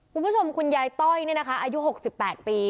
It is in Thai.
คุณผู้ชมคุณยายต้อยเนี่ยนะคะอายุ๖๘ปี